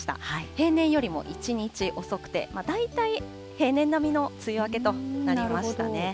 平年よりも１日遅くて、大体平年並みの梅雨明けとなりました。